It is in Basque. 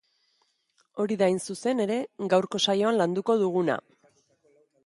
Hori da hain zuzen ere gaurko saioan landuko duguna.